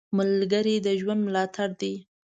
ملګری د ژوند ملاتړ دی